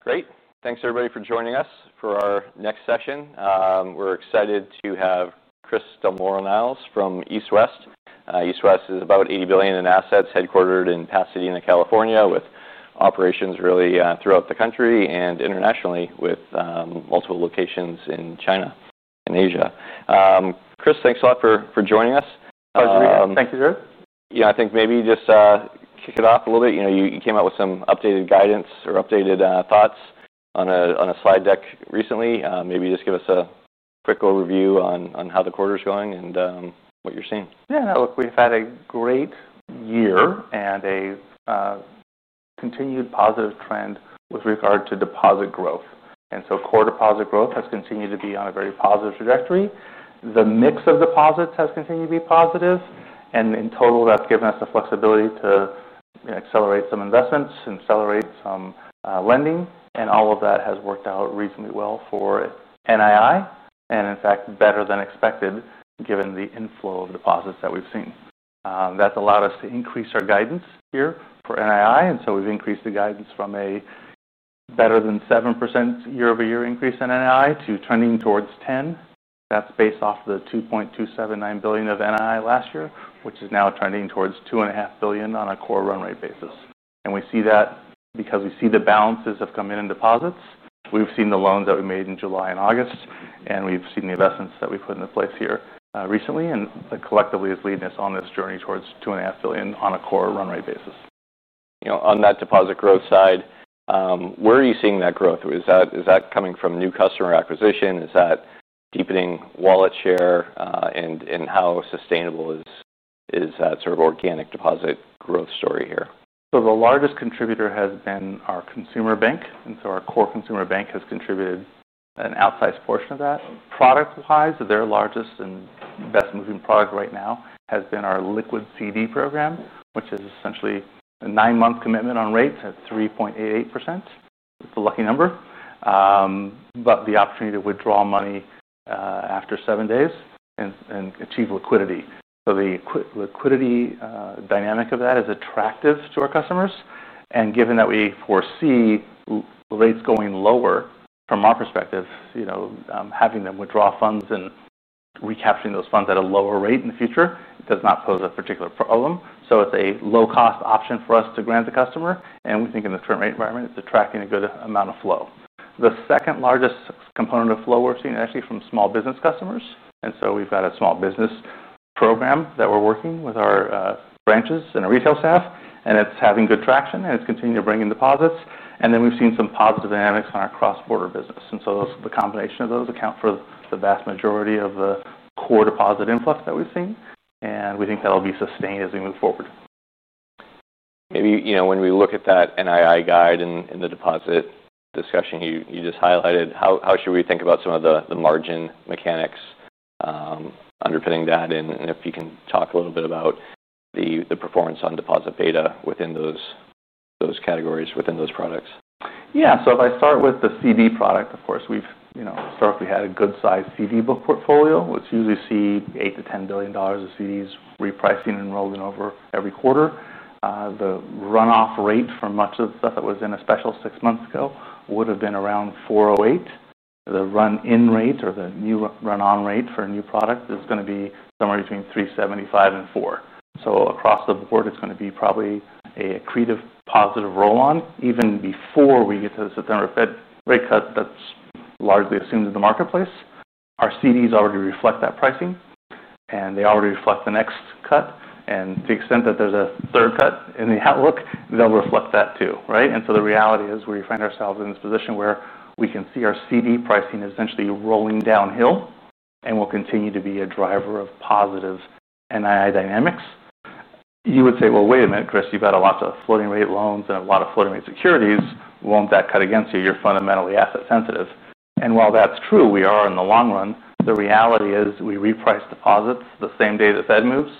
Great. Thanks, everybody, for joining us for our next session. We're excited to have Christopher Del Moral-Niles from East West Bancorp. East West Bancorp is about $80 billion in assets, headquartered in Pasadena, California, with operations really throughout the country and internationally, with multiple locations in China and Asia. Chris, thanks a lot for joining us. Thank you, Drew. I think maybe just kick it off a little bit. You came out with some updated guidance or updated thoughts on a slide deck recently. Maybe just give us a quick overview on how the quarter's going and what you're seeing. Yeah, look, we've had a great year and a continued positive trend with regard to deposit growth. Core deposit growth has continued to be on a very positive trajectory. The mix of deposits has continued to be positive. In total, that's given us the flexibility to accelerate some investments and accelerate some lending. All of that has worked out reasonably well for NII. In fact, better than expected, given the inflow of deposits that we've seen. That's allowed us to increase our guidance here for NII. We've increased the guidance from a better than 7% year-over-year increase in NII to trending towards 10%. That's based off the $2.279 billion of NII last year, which is now trending towards $2.5 billion on a core run rate basis. We see that because we see the balances have come in in deposits. We've seen the loans that we made in July and August, and we've seen the investments that we've put into place here recently. That collectively is leading us on this journey towards $2.5 billion on a core run rate basis. On that deposit growth side, where are you seeing that growth? Is that coming from new customer acquisition? Is that deepening wallet share? How sustainable is that sort of organic deposit growth story here? The largest contributor has been our consumer bank. Our core consumer bank has contributed an outsized portion of that. Product-wise, their largest and best-moving product right now has been our liquid CD program, which is essentially a nine-month commitment on rates at 3.88%. It's a lucky number. The opportunity to withdraw money after seven days and achieve liquidity is attractive to our customers. Given that we foresee rates going lower, from our perspective, having them withdraw funds and recapturing those funds at a lower rate in the future does not pose a particular problem. It's a low-cost option for us to grant the customer, and we think in the current rate environment, it's attracting a good amount of flow. The second largest component of flow we're seeing is actually from small business customers. We've got a small business program that we're working with our branches and retail staff. It's having good traction, and it's continuing to bring in deposits. We've seen some positive dynamics on our cross-border business. The combination of those accounts for the vast majority of the core deposit influx that we've seen, and we think that'll be sustained as we move forward. When we look at that NII guide and the deposit discussion you just highlighted, how should we think about some of the margin mechanics underpinning that? If you can talk a little bit about the performance on deposit beta within those categories, within those products. Yeah, so if I start with the CD product, of course, we've historically had a good-sized CD book portfolio. It's usually $8 billion to $10 billion of CDs repricing and rolling over every quarter. The run-off rate for much of the stuff that was in a special six months ago would have been around $4.08. The run-in rate or the new run-on rate for a new product is going to be somewhere between $3.75 and $4. So across the board, it's going to be probably a creative positive roll-on even before we get to the September Fed rate cut that's largely assumed in the marketplace. Our CDs already reflect that pricing, and they already reflect the next cut. To the extent that there's a third cut in the outlook, they'll reflect that too, right? The reality is we find ourselves in this position where we can see our CD pricing is essentially rolling downhill and will continue to be a driver of positive NII dynamics. You would say, wait a minute, Chris, you've got lots of floating rate loans and a lot of floating rate securities. Won't that cut against you? You're fundamentally asset-sensitive. While that's true, we are in the long run. The reality is we reprice deposits the same day the Fed moves,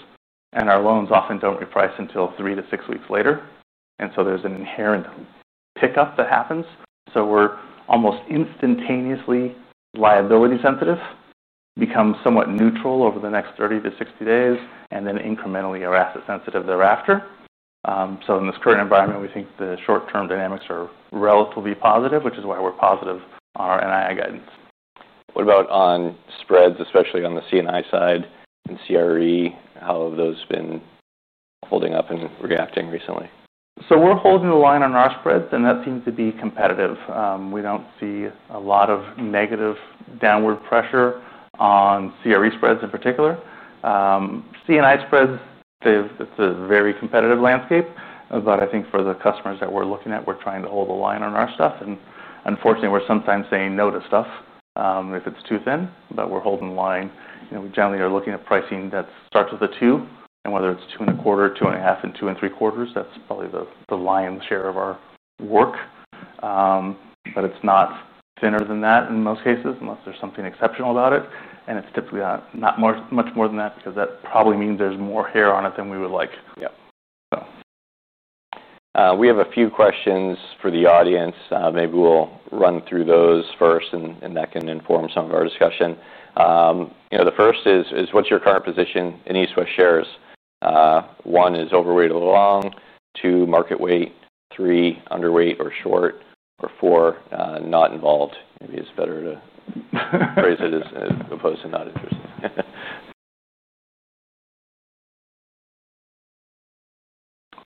and our loans often don't reprice until three to six weeks later. There's an inherent pickup that happens. We're almost instantaneously liability-sensitive, become somewhat neutral over the next 30 to 60 days, and then incrementally asset-sensitive thereafter. In this current environment, we think the short-term dynamics are relatively positive, which is why we're positive on our NII guidance. What about on spreads, especially on the CNI side and CRE? How have those been holding up and reacting recently? We're holding the line on our spreads, and that seems to be competitive. We don't see a lot of negative downward pressure on CRE spreads in particular. CNI spreads, it's a very competitive landscape. For the customers that we're looking at, we're trying to hold the line on our stuff. Unfortunately, we're sometimes saying no to stuff if it's too thin, but we're holding the line. We generally are looking at pricing that starts with a 2. Whether it's 2.25, 2.5, or 2.75, that's probably the lion's share of our work. It's not thinner than that in most cases, unless there's something exceptional about it. It's typically not much more than that because that probably means there's more hair on it than we would like. Yeah. We have a few questions for the audience. Maybe we'll run through those first, and that can inform some of our discussion. The first is, what's your current position in East West Bancorp shares? One is overweight or long. Two, market weight. Three, underweight or short. Four, not involved. Maybe it's better to phrase it as opposed to not interested.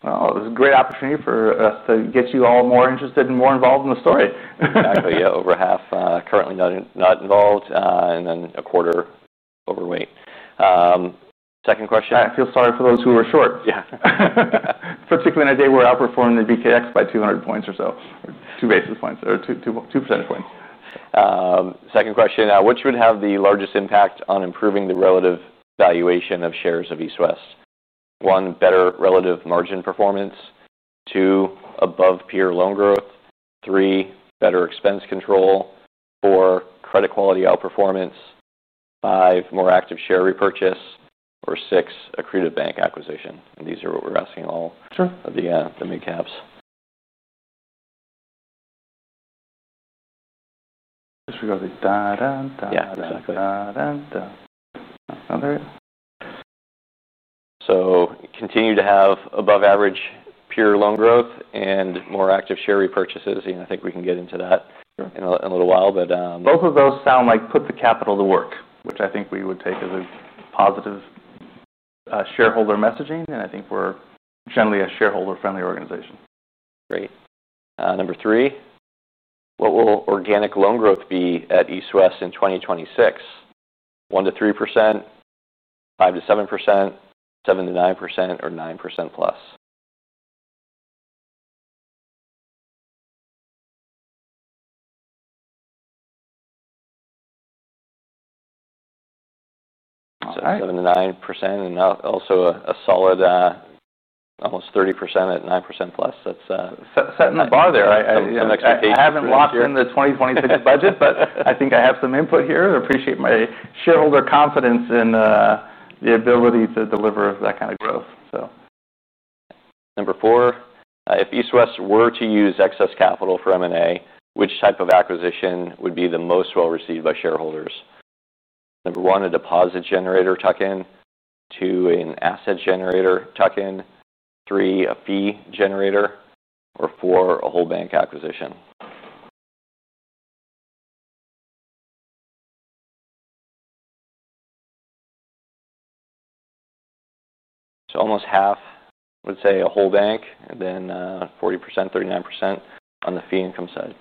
Oh, this is a great opportunity for us to get you all more interested and more involved in the story. Exactly. Yeah, over half currently not involved, and then a quarter overweight. Second question. I feel sorry for those who are short. Yeah. Particularly on a day where we're outperforming the BKX by 200 points or so, two basis points or 2% points. Second question, which would have the largest impact on improving the relative valuation of shares of East West Bancorp? One, better relative margin performance. Two, above peer loan growth. Three, better expense control. Four, credit quality outperformance. Five, more active share repurchase. Six, accretive bank acquisition. These are what we're asking all of the mid-caps. We continue to have above average pure loan growth and more active share repurchases. I think we can get into that in a little while. Both of those sound like put the capital to work, which I think we would take as a positive shareholder messaging. I think we're generally a shareholder-friendly organization. Great. Number three, what will organic loan growth be at East West in 2026? 1% to 3%, 5% to 7%, 7% to 9%, or 9% plus? I'd say 7% to 9%, and also a solid almost 30% at 9% plus. Setting the bar there. I haven't locked in the 2026 budget, but I think I have some input here and appreciate my shareholder confidence in the ability to deliver that kind of growth. Number four, if East West were to use excess capital for M&A, which type of acquisition would be the most well received by shareholders? Number one, a deposit generator tuck-in, two, an asset generator tuck-in, three, a fee generator, or four, a whole bank acquisition. Almost half would say a whole bank, and then 40%, 39% on the fee income side.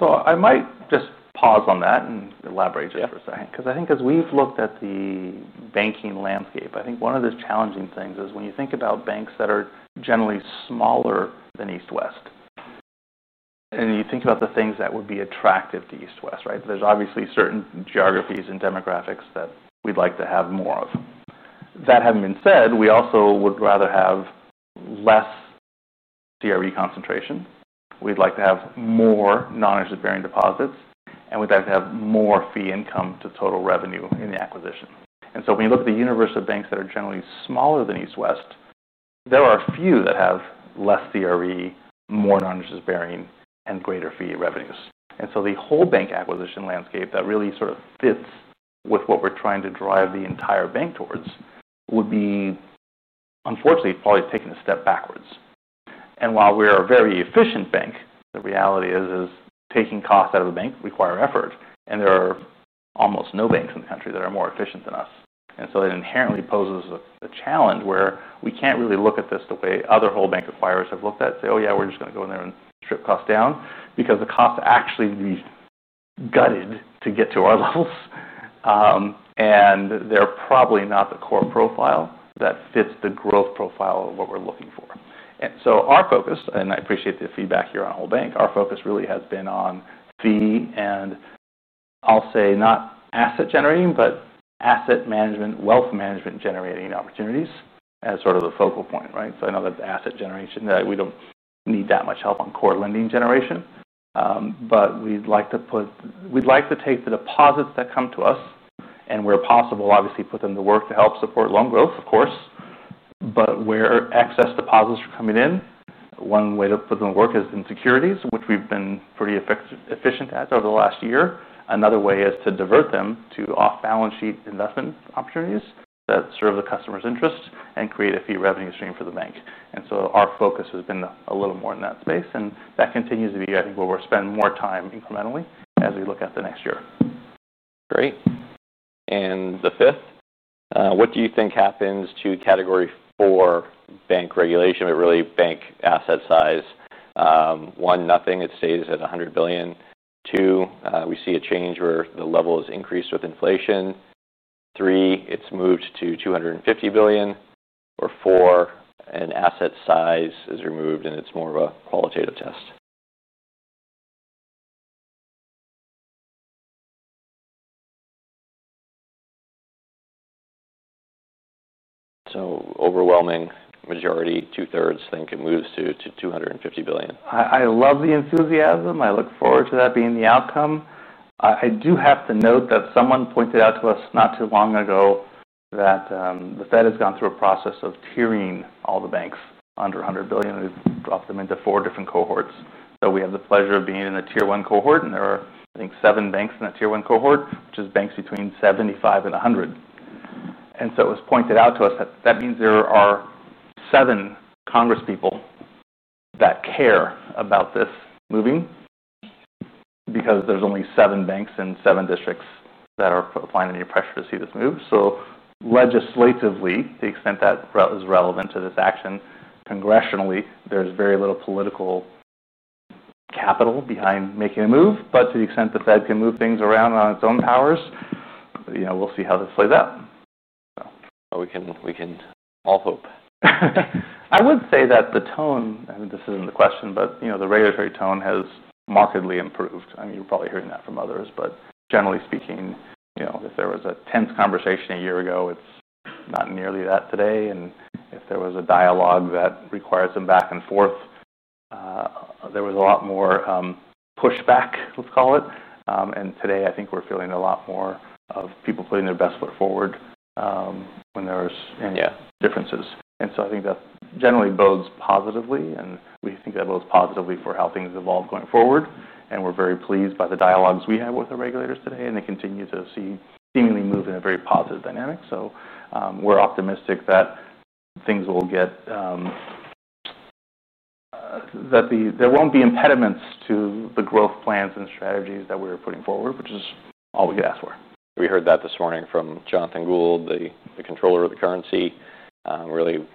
I might just pause on that and elaborate just for a second. As we've looked at the banking landscape, I think one of the challenging things is when you think about banks that are generally smaller than East West. You think about the things that would be attractive to East West, right? There are obviously certain geographies and demographics that we'd like to have more of. That having been said, we also would rather have less CRE concentration. We'd like to have more non-exit-bearing deposits. We'd like to have more fee income to total revenue in the acquisition. When you look at the universe of banks that are generally smaller than East West, there are a few that have less CRE, more non-exit-bearing, and greater fee revenues. The whole bank acquisition landscape that really sort of fits with what we're trying to drive the entire bank towards would be, unfortunately, probably taken a step backwards. While we are a very efficient bank, the reality is taking costs out of the bank requires effort. There are almost no banks in the country that are more efficient than us. It inherently poses a challenge where we can't really look at this the way other whole bank acquirers have looked at it and say, yeah, we're just going to go in there and strip costs down because the costs actually need to be gutted to get to our levels. They're probably not the core profile that fits the growth profile of what we're looking for. Our focus, and I appreciate the feedback here on whole bank, our focus really has been on fee and I'll say not asset generating, but asset management, wealth management generating opportunities as sort of the focal point, right? I know that the asset generation, we don't need that much help on core lending generation. We'd like to take the deposits that come to us and where possible, obviously put them to work to help support loan growth, of course. Where excess deposits are coming in, one way to put them to work is in securities, which we've been pretty efficient at over the last year. Another way is to divert them to off-balance sheet investment opportunities that serve the customer's interest and create a fee revenue stream for the bank. Our focus has been a little more in that space. That continues to be, I think, where we're spending more time incrementally as we look at the next year. Great. The fifth, what do you think happens to category four bank regulation, but really bank asset size? One, nothing, it stays at $100 billion. Two, we see a change where the level is increased with inflation. Three, it's moved to $250 billion. Four, an asset size is removed and it's more of a qualitative test. Overwhelming majority, two-thirds think it moves to $250 billion. I love the enthusiasm. I look forward to that being the outcome. I do have to note that someone pointed out to us not too long ago that the Fed has gone through a process of tiering all the banks under $100 billion. We've dropped them into four different cohorts. We have the pleasure of being in the tier one cohort. There are, I think, seven banks in that tier one cohort, which is banks between $75 billion and $100 billion. It was pointed out to us that that means there are seven congresspeople that care about this moving because there's only seven banks in seven districts that are applying any pressure to see this move. Legislatively, to the extent that is relevant to this action, congressionally, there's very little political capital behind making a move. To the extent the Fed can move things around on its own powers, you know, we'll see how this plays out. We can all hope. I would say that the tone, I mean, this isn't the question, but you know, the regulatory tone has markedly improved. You're probably hearing that from others, but generally speaking, if there was a tense conversation a year ago, it's not nearly that today. If there was a dialogue that required some back and forth, there was a lot more pushback, let's call it. Today, I think we're feeling a lot more of people putting their best foot forward when there are differences. I think that generally bodes positively. We think that bodes positively for how things evolve going forward. We're very pleased by the dialogues we have with our regulators today. They continue to seemingly move in a very positive dynamic. We're optimistic that things will get, that there won't be impediments to the growth plans and strategies that we're putting forward, which is all we could ask for. We heard that this morning from Jonathan Gould, the Controller of the Currency, really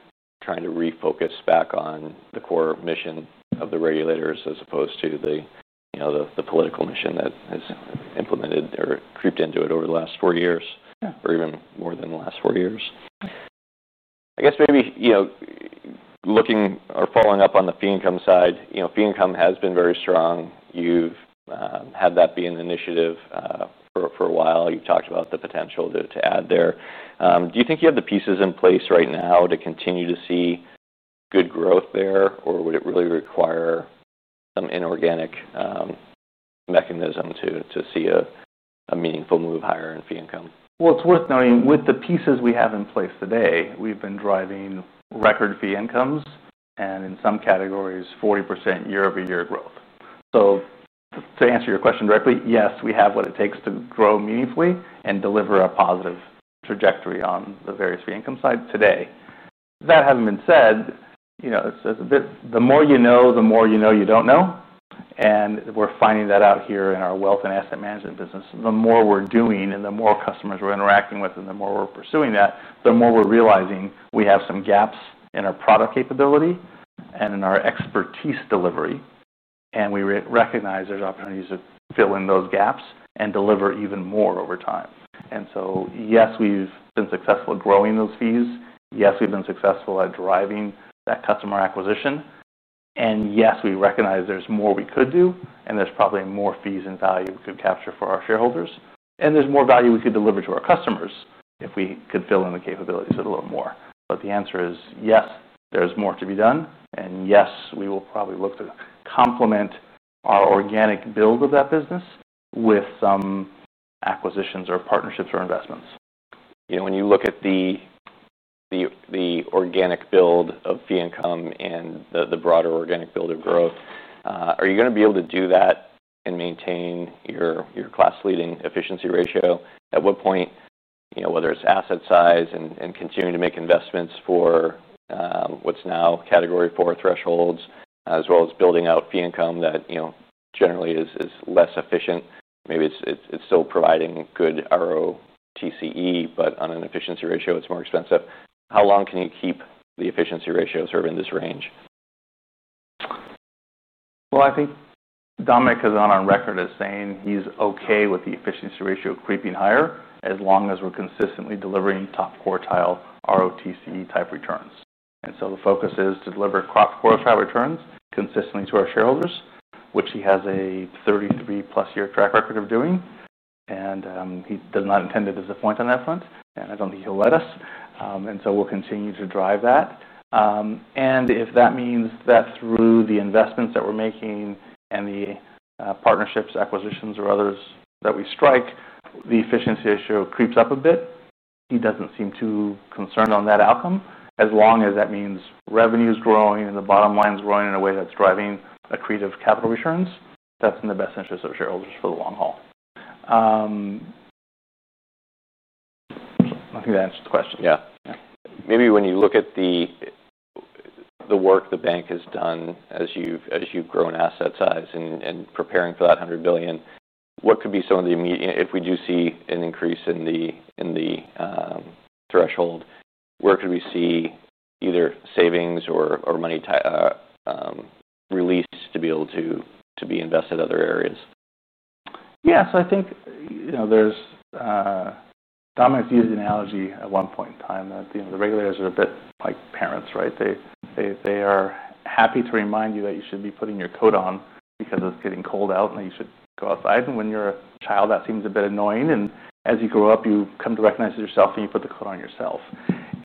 trying to refocus back on the core mission of the regulators as opposed to the, you know, the political mission that has implemented or creeped into it over the last 40 years, or even more than the last 40 years. I guess maybe, you know, looking or following up on the fee income side, you know, fee income has been very strong. You've had that be an initiative for a while. You've talked about the potential to add there. Do you think you have the pieces in place right now to continue to see good growth there, or would it really require some inorganic mechanism to see a meaningful move higher in fee income? It's worth noting, with the pieces we have in place today, we've been driving record fee incomes and in some categories, 40% year-over-year growth. To answer your question directly, yes, we have what it takes to grow meaningfully and deliver a positive trajectory on the various fee income sites today. That having been said, you know, the more you know, the more you know you don't know. We're finding that out here in our wealth and asset management business. The more we're doing and the more customers we're interacting with and the more we're pursuing that, the more we're realizing we have some gaps in our product capability and in our expertise delivery. We recognize there's opportunities to fill in those gaps and deliver even more over time. Yes, we've been successful at growing those fees. Yes, we've been successful at driving that customer acquisition. Yes, we recognize there's more we could do, and there's probably more fees and value we could capture for our shareholders. There's more value we could deliver to our customers if we could fill in the capabilities a little more. The answer is yes, there's more to be done. Yes, we will probably look to complement our organic build of that business with some acquisitions or partnerships or investments. When you look at the organic build of fee income and the broader organic build of growth, are you going to be able to do that and maintain your class-leading efficiency ratio? At what point, whether it's asset size and continuing to make investments for what's now category four thresholds, as well as building out fee income that generally is less efficient, maybe it's still providing good ROTCE, but on an efficiency ratio, it's more expensive. How long can you keep the efficiency ratios sort of in this range? I think Dominic is on our record as saying he's okay with the efficiency ratio creeping higher as long as we're consistently delivering top quartile ROTCE type returns. The focus is to deliver top quartile returns consistently to our shareholders, which he has a 33+ year track record of doing. He does not intend to disappoint on that front. I don't think he'll let us. We'll continue to drive that. If that means that through the investments that we're making and the partnerships, acquisitions, or others that we strike, the efficiency ratio creeps up a bit, he doesn't seem too concerned on that outcome. As long as that means revenue is growing and the bottom line is growing in a way that's driving accretive capital returns, that's in the best interests of shareholders for the long haul. I think that answers the question. Yeah. Maybe when you look at the work the bank has done as you've grown asset size and preparing for that $100 billion, what could be some of the immediate, if we do see an increase in the threshold, where could we see either savings or money released to be able to be invested in other areas? Yeah, so I think there's, Dominic's used the analogy at one point in time that the regulators are a bit like parents, right? They are happy to remind you that you should be putting your coat on because it's getting cold out and that you should go outside. When you're a child, that seems a bit annoying. As you grow up, you come to recognize it yourself and you put the coat on yourself.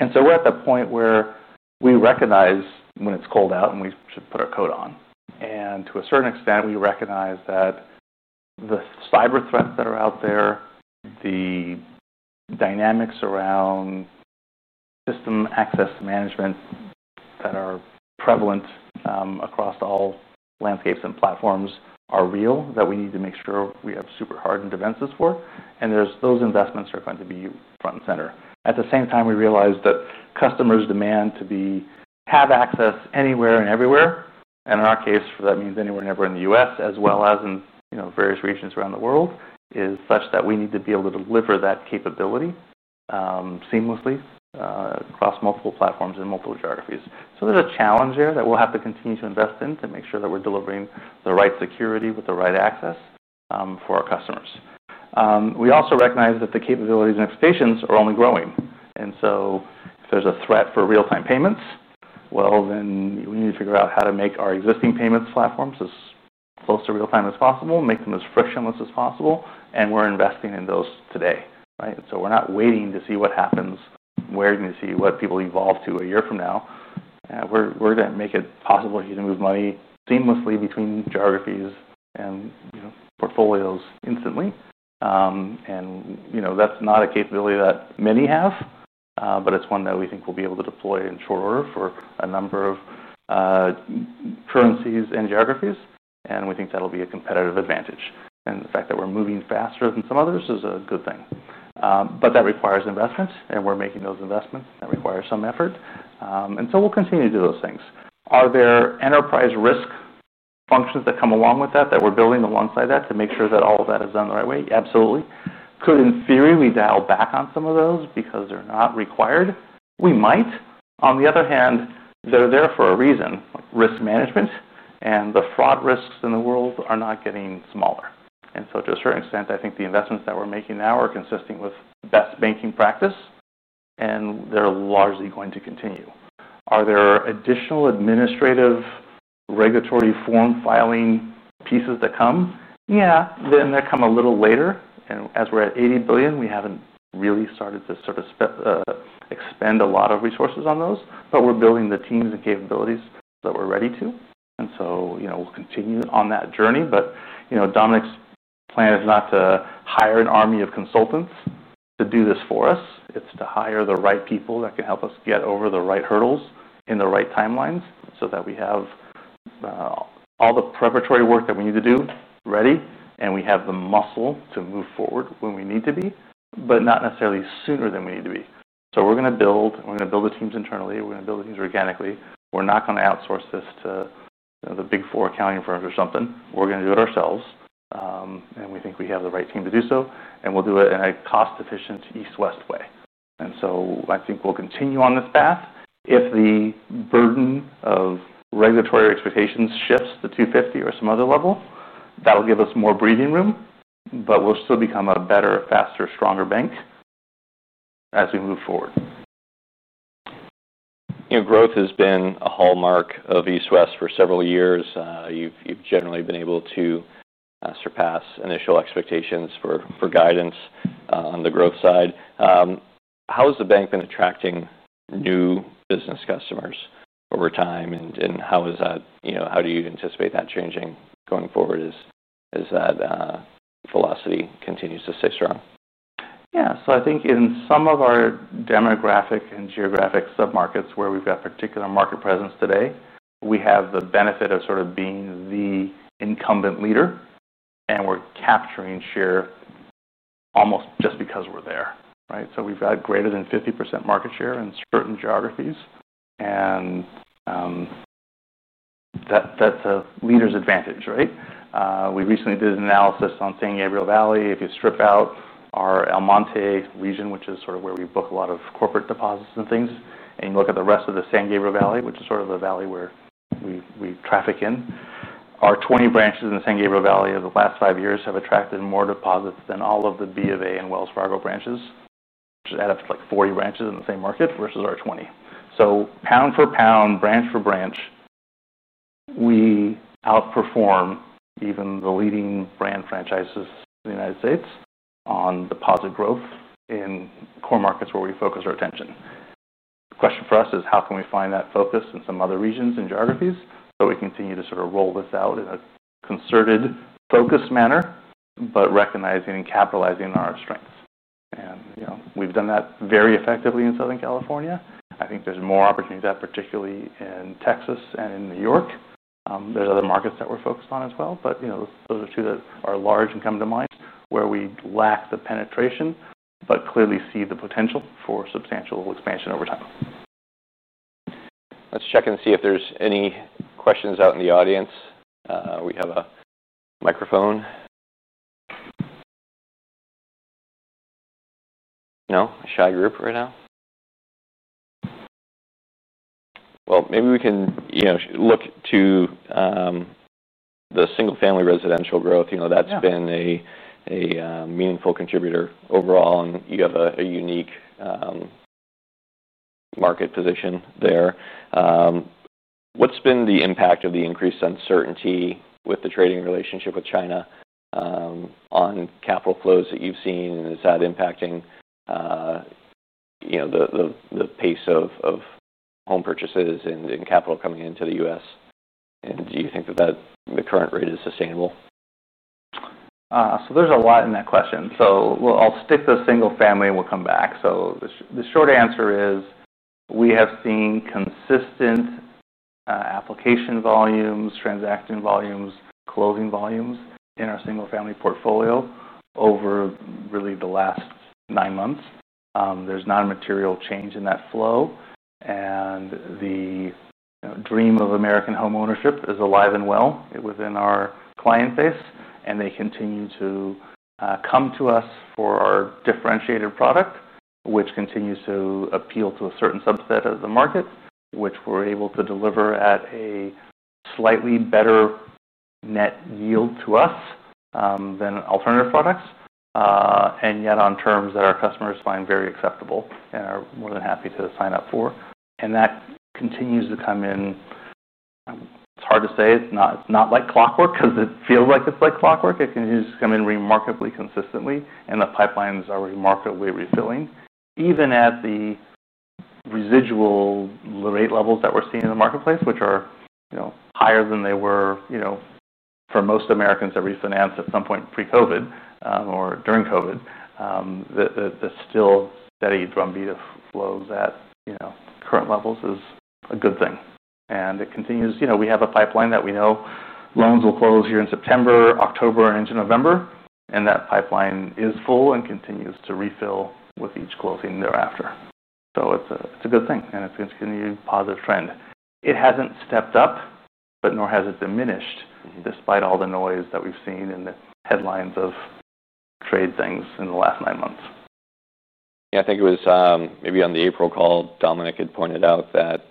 We're at that point where we recognize when it's cold out and we should put our coat on. To a certain extent, we recognize that the cyber threats that are out there, the dynamics around system access management that are prevalent across all landscapes and platforms, are real and that we need to make sure we have super hardened defenses for. Those investments are going to be front and center. At the same time, we realize that customers demand to have access anywhere and everywhere. In our case, that means anywhere and everywhere in the U.S., as well as in various regions around the world, is such that we need to be able to deliver that capability seamlessly across multiple platforms and multiple geographies. There's a challenge there that we'll have to continue to invest in to make sure that we're delivering the right security with the right access for our customers. We also recognize that the capabilities and expectations are only growing. If there's a threat for real-time payments, then we need to figure out how to make our existing payments platforms as close to real-time as possible, make them as frictionless as possible. We're investing in those today, right? We're not waiting to see what happens. We're going to see what people evolve to a year from now. We're going to make it possible for you to move money seamlessly between geographies and portfolios instantly. That's not a capability that many have, but it's one that we think we'll be able to deploy in short order for a number of currencies and geographies. We think that'll be a competitive advantage. The fact that we're moving faster than some others is a good thing. That requires investment, and we're making those investments that require some effort. We'll continue to do those things. Are there enterprise risk functions that come along with that, that we're building alongside that to make sure that all of that is done the right way? Absolutely. Could, in theory, we dial back on some of those because they're not required? We might. On the other hand, they're there for a reason. Risk management and the fraud risks in the world are not getting smaller. To a certain extent, I think the investments that we're making now are consistent with best banking practice, and they're largely going to continue. Are there additional administrative regulatory form filing pieces that come? Yeah, they come a little later. As we're at $80 billion, we haven't really started to expend a lot of resources on those, but we're building the teams and capabilities that we're ready to. We'll continue on that journey. Dominic's plan is not to hire an army of consultants to do this for us. It's to hire the right people that can help us get over the right hurdles in the right timelines so that we have all the preparatory work that we need to do ready, and we have the muscle to move forward when we need to be, but not necessarily sooner than we need to be. We're going to build, and we're going to build the teams internally. We're going to build the teams organically. We're not going to outsource this to the big four accounting firms or something. We're going to do it ourselves. We think we have the right team to do so. We'll do it in a cost-efficient East West way. I think we'll continue on this path. If the burden of regulatory expectations shifts to $250 billion or some other level, that'll give us more breathing room, but we'll still become a better, faster, stronger bank as we move forward. Your growth has been a hallmark of East West for several years. You've generally been able to surpass initial expectations for guidance on the growth side. How has the bank been attracting new business customers over time? How do you anticipate that changing going forward as that velocity continues to stay strong? Yeah, so I think in some of our demographic and geographic submarkets where we've got particular market presence today, we have the benefit of sort of being the incumbent leader. We're capturing share almost just because we're there, right? We've got greater than 50% market share in certain geographies, and that's a leader's advantage, right? We recently did an analysis on San Gabriel Valley. If you strip out our Almonte region, which is sort of where we book a lot of corporate deposits and things, and you look at the rest of the San Gabriel Valley, which is sort of the valley where we traffic in, our 20 branches in the San Gabriel Valley over the last five years have attracted more deposits than all of the B of A and Wells Fargo branches, which add up to like 40 branches in the same market versus our 20. Pound for pound, branch for branch, we outperform even the leading brand franchises in the United States on deposit growth in core markets where we focus our attention. The question for us is how can we find that focus in some other regions and geographies so we continue to sort of roll this out in a concerted focus manner, recognizing and capitalizing on our strengths. We've done that very effectively in Southern California. I think there's more opportunity to do that, particularly in Texas and in New York. There are other markets that we're focused on as well. Those are two that are large and come to mind where we lack the penetration, but clearly see the potential for substantial expansion over time. Let's check and see if there's any questions out in the audience. We have a microphone. No, a shy group right now. Maybe we can, you know, look to the single-family residential growth. You know, that's been a meaningful contributor overall, and you have a unique market position there. What's been the impact of the increased uncertainty with the trading relationship with China on capital flows that you've seen? Is that impacting, you know, the pace of home purchases and capital coming into the U.S.? Do you think that the current rate is sustainable? There's a lot in that question. I'll stick to the single-family and we'll come back. The short answer is we have seen consistent application volumes, transaction volumes, closing volumes in our single-family portfolio over really the last nine months. There's not a material change in that flow. The dream of American homeownership is alive and well within our client base. They continue to come to us for our differentiated product, which continues to appeal to a certain subset of the market, which we're able to deliver at a slightly better net yield to us than alternative products, yet on terms that our customers find very acceptable and are more than happy to sign up for. That continues to come in. It's hard to say. It's not like clockwork because it feels like it's like clockwork. It continues to come in remarkably consistently. The pipelines are remarkably refilling. Even at the residual rate levels that we're seeing in the marketplace, which are higher than they were for most Americans that refinanced at some point pre-COVID or during COVID, the still steady drumbeat of flows at current levels is a good thing. It continues. We have a pipeline that we know loans will close here in September, October, and into November. That pipeline is full and continues to refill with each closing thereafter. It's a good thing. It's a continued positive trend. It hasn't stepped up, nor has it diminished despite all the noise that we've seen in the headlines of trade things in the last nine months. Yeah, I think it was maybe on the April call, Dominic had pointed out that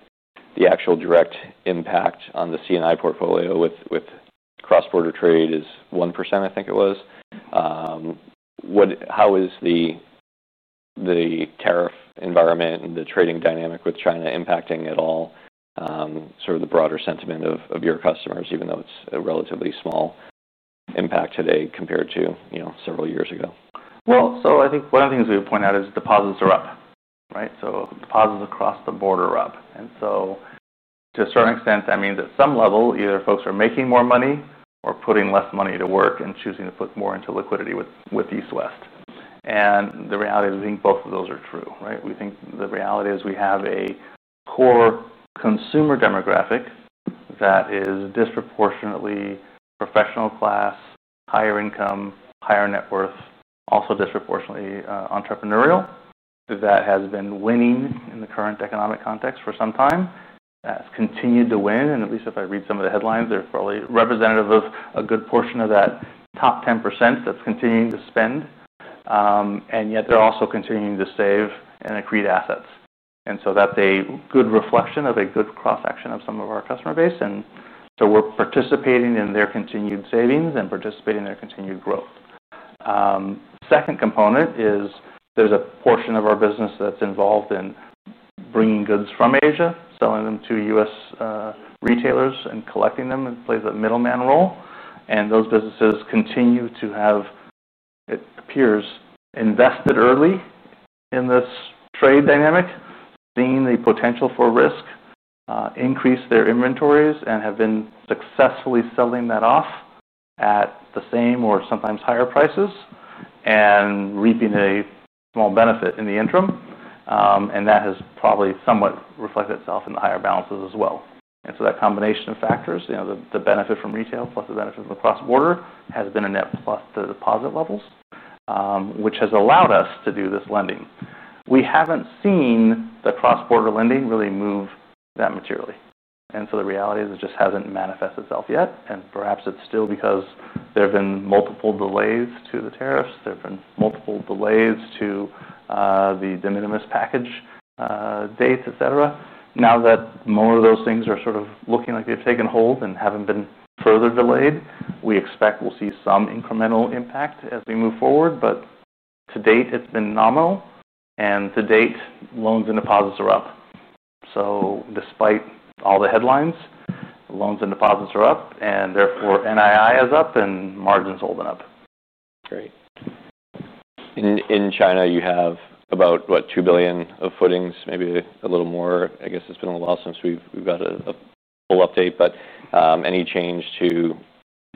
the actual direct impact on the CNI portfolio with cross-border trade is 1%. I think it was. How is the tariff environment and the trading dynamic with China impacting at all sort of the broader sentiment of your customers, even though it's a relatively small impact today compared to, you know, several years ago? I think one of the things we would point out is deposits are up, right? Deposits across the board are up. To a certain extent, that means at some level, either folks are making more money or putting less money to work and choosing to put more into liquidity with East West. The reality is I think both of those are true, right? We think the reality is we have a core consumer demographic that is disproportionately professional class, higher income, higher net worth, also disproportionately entrepreneurial. That has been winning in the current economic context for some time. That's continued to win. At least if I read some of the headlines, they're probably representative of a good portion of that top 10% that's continuing to spend. Yet they're also continuing to save and accrete assets. That's a good reflection of a good cross-section of some of our customer base. We're participating in their continued savings and participating in their continued growth. Second component is there's a portion of our business that's involved in bringing goods from Asia, selling them to U.S. retailers, and collecting them and play the middleman role. Those businesses continue to have, it appears, invested early in this trade dynamic, seeing the potential for risk, increased their inventories, and have been successfully selling that off at the same or sometimes higher prices and reaping a small benefit in the interim. That has probably somewhat reflected itself in the higher balances as well. That combination of factors, the benefit from retail plus the benefit from the cross-border, has been a net plus to deposit levels, which has allowed us to do this lending. We haven't seen the cross-border lending really move that materially. The reality is it just hasn't manifested itself yet. Perhaps it's still because there have been multiple delays to the tariffs. There have been multiple delays to the de minimis package dates, etc. Now that most of those things are sort of looking like they've taken hold and haven't been further delayed, we expect we'll see some incremental impact as we move forward. To date, it's been nominal. To date, loans and deposits are up. Despite all the headlines, loans and deposits are up, and therefore NII is up and margins holding up. Great. In China, you have about $2 billion of footings, maybe a little more. I guess it's been a little while since we've got a full update. Any change to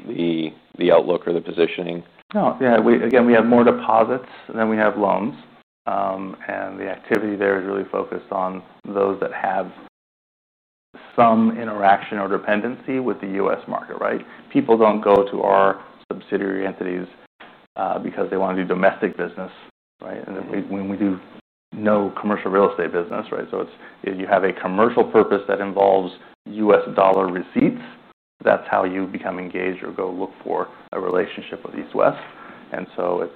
the outlook or the positioning? No, yeah, again, we have more deposits than we have loans. The activity there is really focused on those that have some interaction or dependency with the U.S. market, right? People don't go to our subsidiary entities because they want to do domestic business, right? We do no commercial real estate business, right? You have a commercial purpose that involves U.S. dollar receipts. That's how you become engaged or go look for a relationship with East West.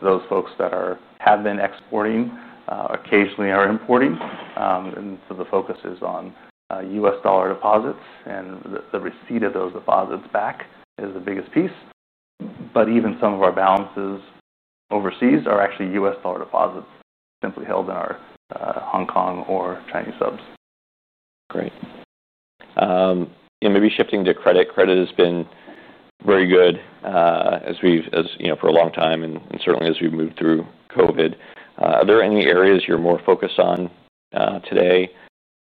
Those folks that have been exporting occasionally are importing. The focus is on U.S. dollar deposits, and the receipt of those deposits back is the biggest piece. Even some of our balances overseas are actually U.S. dollar deposits simply held in our Hong Kong or Chinese subs. Great. Maybe shifting to credit, credit has been really good as we've, you know, for a long time and certainly as we've moved through COVID. Are there any areas you're more focused on today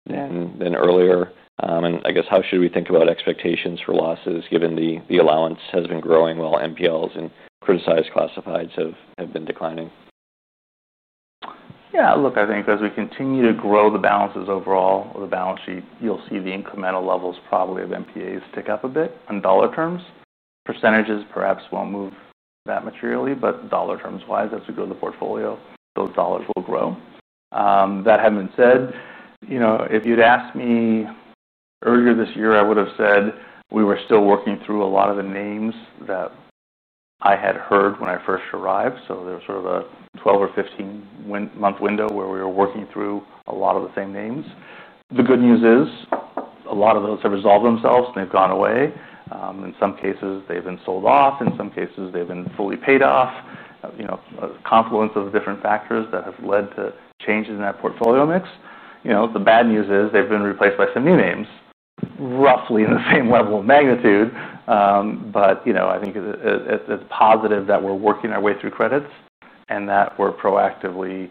than earlier? I guess how should we think about expectations for losses given the allowance has been growing while MPLs and criticized classifieds have been declining? Yeah, look, I think as we continue to grow the balances overall or the balance sheet, you'll see the incremental levels probably of NPAs tick up a bit in dollar terms. Percentages perhaps won't move that materially, but in dollar terms, as we grow the portfolio, those dollars will grow. That having been said, if you'd asked me earlier this year, I would have said we were still working through a lot of the names that I had heard when I first arrived. There was sort of a 12 or 15 month window where we were working through a lot of the same names. The good news is a lot of those have resolved themselves. They've gone away. In some cases, they've been sold off. In some cases, they've been fully paid off. A confluence of different factors has led to changes in that portfolio mix. The bad news is they've been replaced by some new names, roughly in the same level of magnitude. I think it's positive that we're working our way through credits and that we're proactively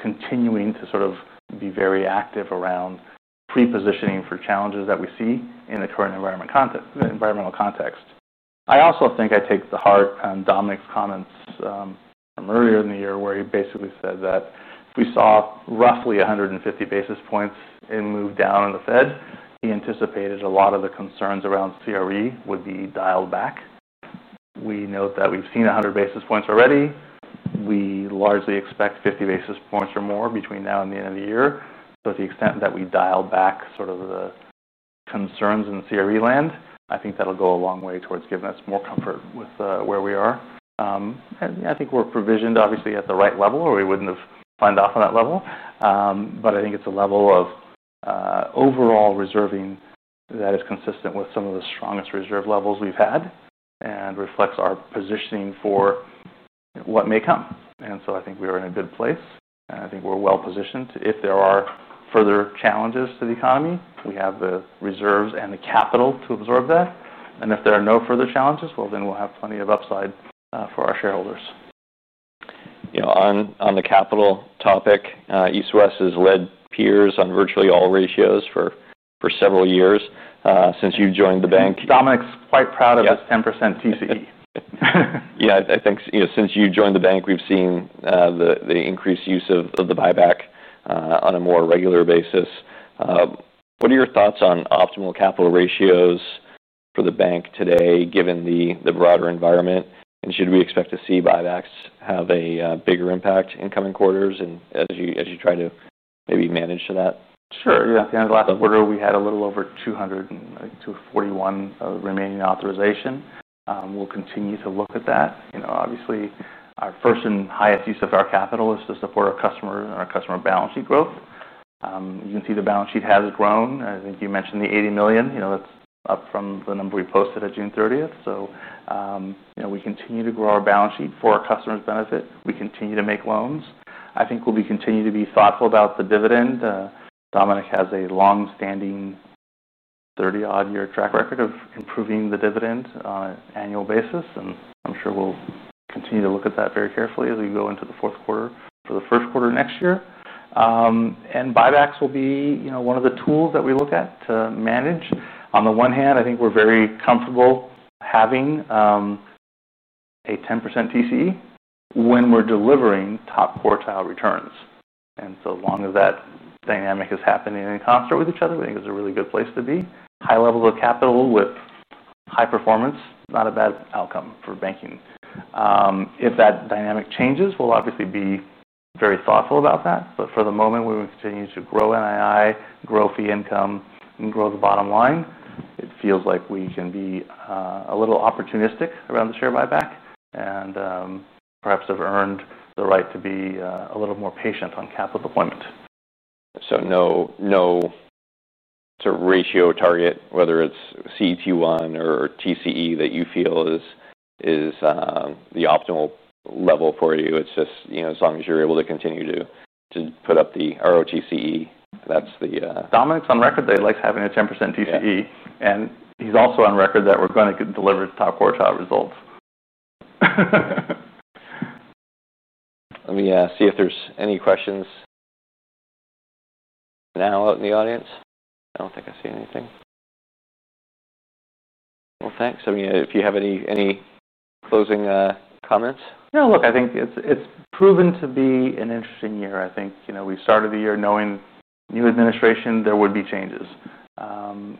continuing to be very active around pre-positioning for challenges that we see in the current environmental context. I also think I take to heart Dominic's comments from earlier in the year where he basically said that if we saw roughly 150 basis points in move down in the Fed, he anticipated a lot of the concerns around CRE would be dialed back. We note that we've seen 100 basis points already. We largely expect 50 basis points or more between now and the end of the year. To the extent that we dial back the concerns in CRE land, I think that'll go a long way towards giving us more comfort with where we are. I think we're provisioned obviously at the right level or we wouldn't have signed off on that level. I think it's a level of overall reserving that is consistent with some of the strongest reserve levels we've had and reflects our positioning for what may come. I think we are in a good place. I think we're well positioned. If there are further challenges to the economy, we have the reserves and the capital to absorb that. If there are no further challenges, we'll have plenty of upside for our shareholders. You know, on the capital topic, East West has led peers on virtually all ratios for several years since you've joined the bank. Dominic's quite proud of his 10% TCE. Yeah, I think since you've joined the bank, we've seen the increased use of the buyback on a more regular basis. What are your thoughts on optimal capital ratios for the bank today, given the broader environment? Should we expect to see buybacks have a bigger impact in coming quarters as you try to maybe manage that? Sure, yeah, at the end of the last quarter, we had a little over $241 million remaining authorization. We'll continue to look at that. Obviously, our first and highest use of our capital is to support our customers and our customer balance sheet growth. You can see the balance sheet has grown. I think you mentioned the $80 million. That's up from the number we posted at June 30th. We continue to grow our balance sheet for our customers' benefit. We continue to make loans. I think we'll continue to be thoughtful about the dividend. Dominic has a longstanding 30-odd-year track record of improving the dividend on an annual basis. I'm sure we'll continue to look at that very carefully as we go into the fourth quarter for the first quarter next year. Buybacks will be one of the tools that we look at to manage. On the one hand, I think we're very comfortable having a 10% TCE when we're delivering top quartile returns. As long as that dynamic is happening in concert with each other, I think it's a really good place to be. High levels of capital with high performance, not a bad outcome for banking. If that dynamic changes, we'll obviously be very thoughtful about that. For the moment, we will continue to grow NII, grow fee income, and grow the bottom line. It feels like we can be a little opportunistic around the share buyback and perhaps have earned the right to be a little more patient on capital deployment. is no ratio target, whether it's CET1 or TCE, that you feel is the optimal level for you. It's just, you know, as long as you're able to continue to put up the ROTCE, that's the. Ng's on record that he likes having a 10% TCE, and he's also on record that we're going to deliver top quartile results. Let me see if there's any questions now out in the audience. I don't think I see anything. Thanks. If you have any closing comments. No, look, I think it's proven to be an interesting year. I think we started the year knowing new administration, there would be changes.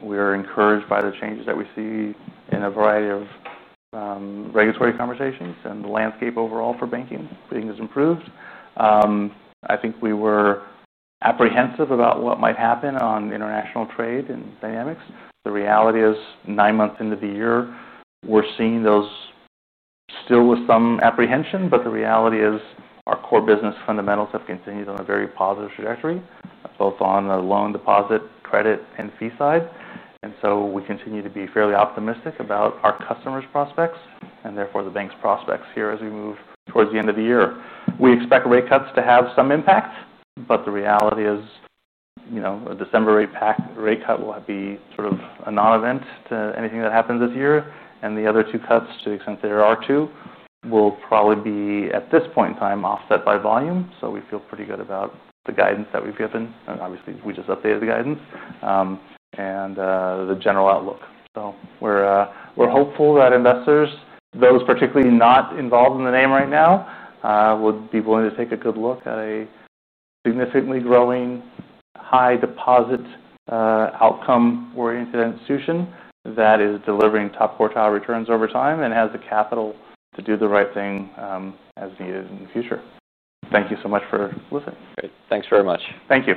We're encouraged by the changes that we see in a variety of regulatory conversations and the landscape overall for banking. Everything is improved. I think we were apprehensive about what might happen on international trade and dynamics. The reality is nine months into the year, we're seeing those still with some apprehension, but the reality is our core business fundamentals have continued on a very positive trajectory, both on the loan, deposit, credit, and fee side. We continue to be fairly optimistic about our customers' prospects and therefore the bank's prospects here as we move towards the end of the year. We expect rate cuts to have some impact, but the reality is, you know, a December rate cut will be sort of a non-event to anything that happens this year. The other two cuts, to the extent there are two, will probably be at this point in time offset by volume. We feel pretty good about the guidance that we've given. Obviously, we just updated the guidance and the general outlook. We're hopeful that investors, those particularly not involved in the name right now, would be willing to take a good look at a significantly growing, high deposit outcome-oriented institution that is delivering top quartile returns over time and has the capital to do the right thing as needed in the future. Thank you so much for listening. Great, thanks very much. Thank you.